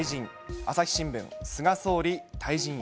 朝日新聞、菅総理退陣へ。